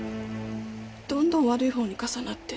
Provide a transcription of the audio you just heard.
どんどん悪い方に重なって。